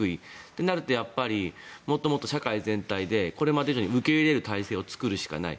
となるとやっぱりもっともっと社会全体でこれまで以上に受け入れる体制を作るしかない。